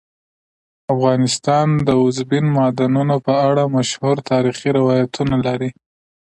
افغانستان د اوبزین معدنونه په اړه مشهور تاریخی روایتونه لري.